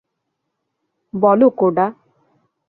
বলো, কোডা।